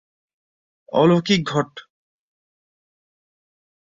অলৌকিক ঘট।